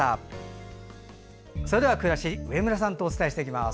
それでは「くらしり」上村さんとお伝えしていきます。